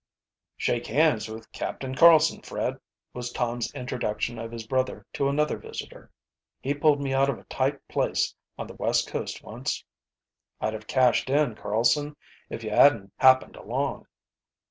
"Shake hands with Captain Carlsen, Fred," was Tom's introduction of his brother to another visitor. "He pulled me out of a tight place on the West Coast once. I'd have cashed in, Carlsen, if you hadn't happened along."